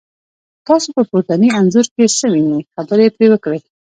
تاسو په پورتني انځور کې څه وینی، خبرې پرې وکړئ؟